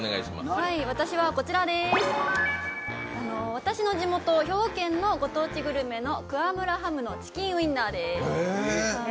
私の地元、兵庫県のご当地グルメのクワムラハムのチキンウインナーです。